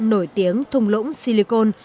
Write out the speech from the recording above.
nổi tiếng thùng lũng silicon